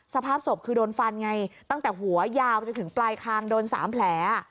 สภาพศพคือโดนฟันไงตั้งแต่หัวยาวจนถึงปลายคางโดน๓แผล